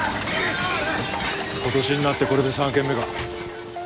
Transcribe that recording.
今年になってこれで３軒目か。